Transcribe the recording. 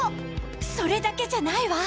それだけじゃないわ。